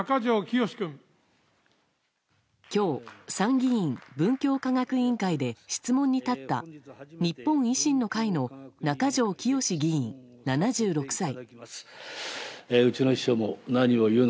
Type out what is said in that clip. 今日、参議院文教科学委員会で質問に立った日本維新の会の中条きよし議員、７６歳。